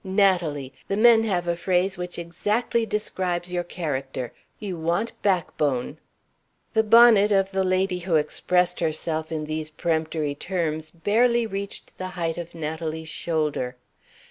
Natalie! the men have a phrase which exactly describes your character. You want back bone!" The bonnet of the lady who expressed herself in these peremptory terms barely reached the height of Natalie's shoulder.